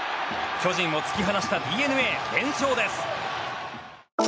巨人を突き放したＤｅＮＡ連勝です。